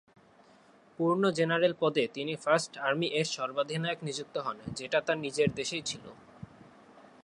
পূর্ণ জেনারেল পদে তিনি 'ফার্স্ট আর্মি' এর সর্বাধিনায়ক নিযুক্ত হন যেটা তার নিজের দেশেই ছিল।